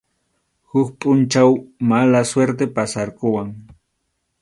Huk pʼunchaw mala suerte pasarquwan.